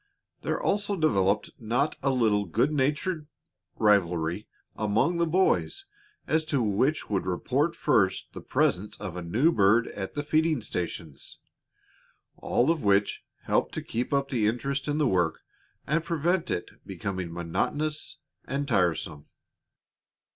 There also developed not a little good natured rivalry among the boys as to which would first report the presence of a new bird at the feeding stations; all of which helped to keep up the interest in the work and prevent it becoming monotonous and tiresome.